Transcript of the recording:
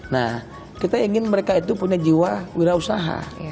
nah kita ingin mereka itu punya jiwa wira usaha